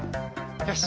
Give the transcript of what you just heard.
よし。